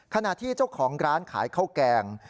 ขณะที่เจ้าของร้านขายข้าวแกง